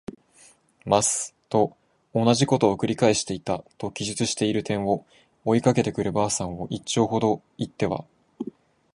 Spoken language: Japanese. ます。」とおなじことを「くり返していた。」と記述している点を、追いかけてくる婆さんを一町ほど行っては